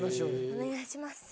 お願いします。